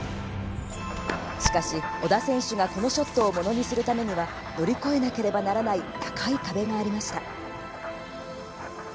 しかし、小田選手がこのショットをものにするためには乗り越えなければならない高い壁がありました。